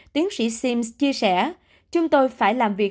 tiến sĩ sims chia sẻ